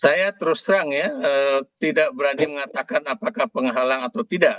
saya terus terang ya tidak berani mengatakan apakah penghalang atau tidak